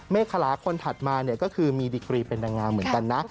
เมฆาะคนถัดมาก็คือมีดิกรีเป็นดังงานเหมือนกันนะ